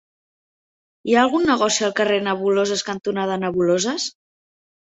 Hi ha algun negoci al carrer Nebuloses cantonada Nebuloses?